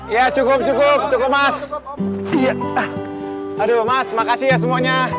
ya cukup cukup cukup mas aduh mas makasih ya semuanya